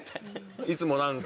いつもなんか。